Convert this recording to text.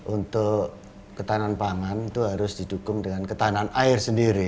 untuk ketahanan pangan itu harus didukung dengan ketahanan air sendiri